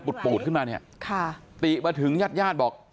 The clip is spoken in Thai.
ปูดขึ้นมาเนี่ยค่ะติมาถึงญาติญาติบอก